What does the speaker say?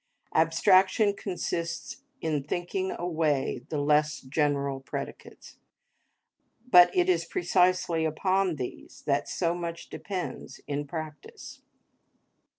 Abstraction consists in thinking away the less general predicates; but it is precisely upon these that so much depends in practice.